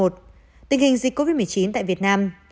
tình hình dịch covid một mươi chín tại việt nam